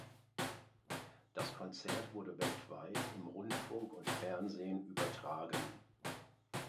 Das Konzert wurde weltweit im Rundfunk und Fernsehen übertragen.